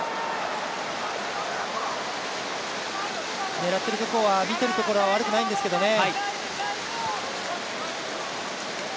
狙っているところ、見ているところは悪くないんですけどね。